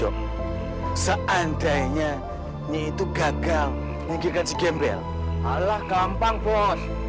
kau akan semua kemampuan